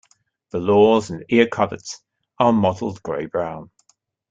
The lores and ear-coverts are a mottled grey brown.